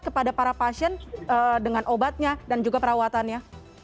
kepada para pasien dengan obatnya dan juga perawatannya